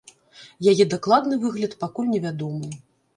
Яе дакладны выгляд пакуль невядомы.